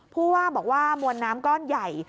ผู้ว่าบอกว่ามวลน้ำก้อนใหญ่